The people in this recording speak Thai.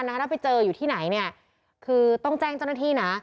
ถ้าไปเจออยู่ที่ไหนเนี่ยคือต้องแจ้งเจ้าหน้าที่นะ